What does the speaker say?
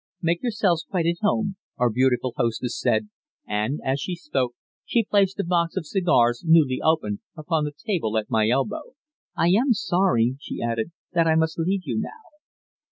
"Make yourselves quite at home," our beautiful hostess said, and, as she spoke, she placed a box of cigars, newly opened, upon the table at my elbow. "I am sorry," she added, "that I must leave you now."